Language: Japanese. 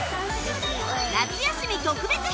夏休み特別編！